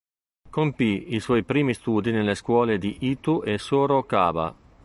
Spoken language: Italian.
Compì i suoi primi studi nelle scuole di Itu e Sorocaba.